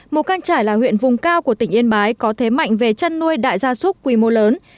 mù căng trải là huyện vùng cao của tỉnh yên bái có thế mạnh về chăn nuôi đại gia súc quy mô lớn